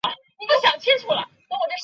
而封面上一片粉红设计即出自她手。